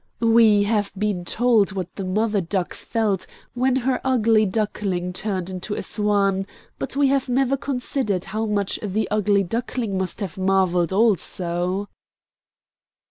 We have been told what the mother duck felt when her ugly duckling turned into a swan, but we have never considered how much the ugly duckling must have marvelled also.